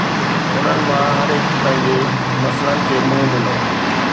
انهن مان هر هڪ پنهنجي مسئلن کي منهن ڏنو.